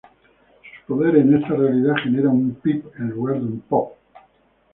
Sus poderes en esta realidad generan un "Pip" en lugar de un "Pop".